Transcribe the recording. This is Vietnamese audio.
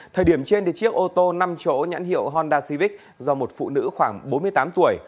thời điểm trên chiếc ô tô năm chỗ nhãn hiệu hondasivic do một phụ nữ khoảng bốn mươi tám tuổi